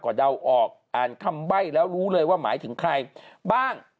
ก็เดาออกอ่านคำใบ้แล้วรู้เลยว่าหมายถึงใครบ้าง